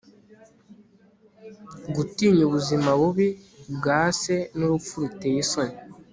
gutinya ubuzima bubi bwa se nurupfu ruteye isoni